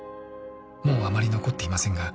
「もうあまり残っていませんが」